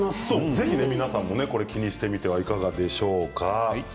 ぜひ皆さんも気にしてみてはいかがでしょうか。